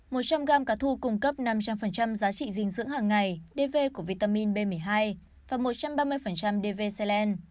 một trăm linh g cá thu cung cấp năm trăm linh giá trị dinh dưỡng hàng ngày và một trăm ba mươi dv selen